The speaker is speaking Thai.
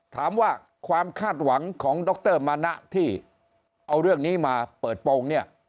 ถามว่าความคาดหวังของดรมานะที่เอาเรื่องนี้มาเปิดโปรงเนี่ย